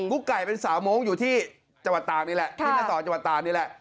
ุ๊กไก่เป็นสาวโม้งอยู่ที่จังหวัดตากนี่แหละที่แม่สอดจังหวัดตากนี่แหละ